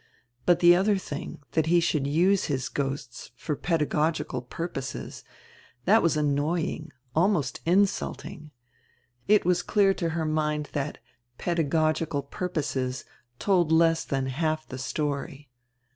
But die other diing, diat he should use his ghosts for pedagogical purposes, diat was annoying, almost insulting. It was clear to her mind that "pedagogical purposes' told less than half the story.